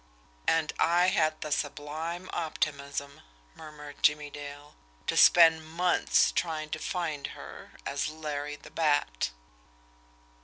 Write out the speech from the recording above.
"And I had the sublime optimism," murmured Jimmie Dale, "to spend months trying to find her as Larry the Bat!"